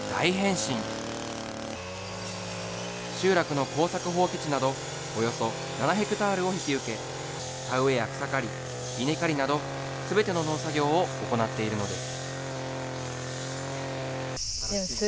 集落の耕作放棄地など、およそ７ヘクタールを引き受け、田植えや草刈り、稲刈りなどすべての農作業を行っているのです。